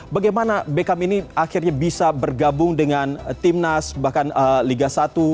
bagaimana beckham ini akhirnya bisa bergabung dengan timnas bahkan liga satu